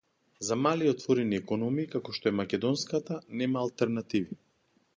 За мали отворени економии како што е македонската, нема алтернативи